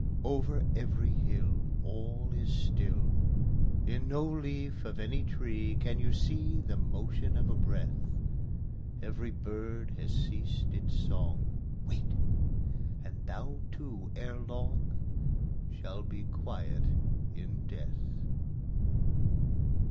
I Over every hill All is still ; In no leaf of any tree Can you see The motion of a breath. Every bird has ceased its song, Wait ; and thou too, ere long, Shall be quiet in death.